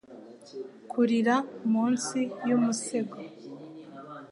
Kurira munsi y’ umusego